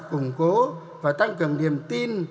củng cố và tăng cường niềm tin